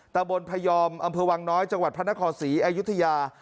ตะบนพยอมอำเภอวังน้อยจังหวัดพระนครศรีอายุทยา